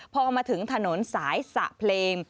พอมาถึงถนนสายสะเพลง